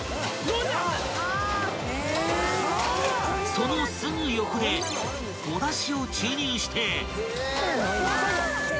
［そのすぐ横でおだしを注入して］